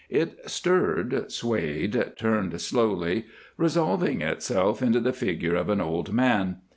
It stirred, swayed, turned slowly, resolving itself into the figure of an old man.